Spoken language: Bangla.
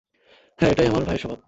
হ্যাঁ, এটাই আমার ভাইয়ের স্বভাব।